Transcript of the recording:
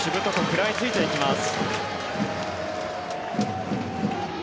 食らいついていきます。